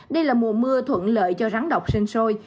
đây là mùa mưa thuận lợi cho rắn đọc sinh sôi